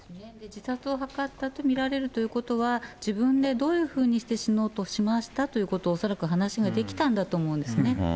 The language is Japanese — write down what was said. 自殺を図ったと見られるということは、自分でどういうふうにして死のうとしましたということを、恐らく話ができたんだと思うんですね。